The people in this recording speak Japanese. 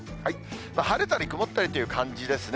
晴れたり曇ったりという感じですね。